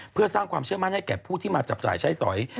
เพื่อสร้างความเชื่อมั่นให้แก่ผู้ที่มาจับจ่ายใช้สอย